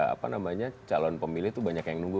apa namanya calon pemilih itu banyak yang nunggu